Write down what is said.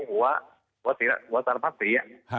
หัวสารพรรภ์เสีย